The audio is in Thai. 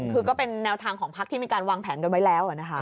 คือก็เป็นแนวทางของพักที่มีการวางแผนกันไว้แล้วนะคะ